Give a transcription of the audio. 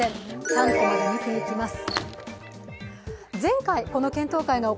３コマで見ていきます。